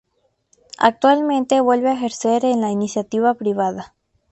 Actualmente vuelve a ejercer en la Iniciativa Privada.